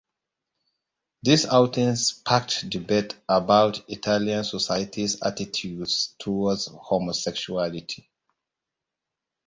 This outing sparked debate about Italian society's attitudes towards homosexuality.